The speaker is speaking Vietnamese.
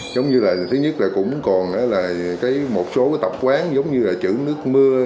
giống như là thứ nhất là cũng còn là một số tập quán giống như là chữ nước mưa